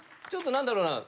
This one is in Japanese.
ちょっとなんだろうな？